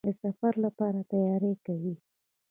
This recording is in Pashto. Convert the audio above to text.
د سفر لپاره تیاری کوئ؟